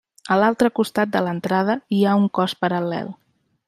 A l'altre costat de l'entrada hi ha un cos paral·lel.